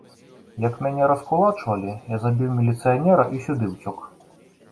Як мяне раскулачвалі, я забіў міліцыянера і сюды ўцёк.